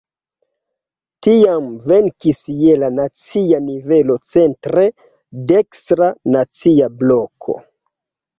Tiam venkis je la nacia nivelo centre dekstra "Nacia Bloko".